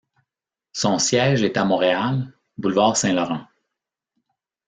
Son siège est à Montréal, boulevard Saint-Laurent.